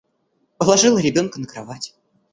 Положила ребенка на кровать.